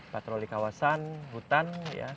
patroli kawasan hutan